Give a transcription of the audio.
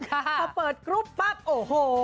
พอเปิดกรุ๊ปปั๊บโอ้โห